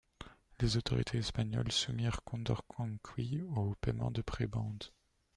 Les autorités espagnoles soumirent Condorcanqui au paiement de prébendes.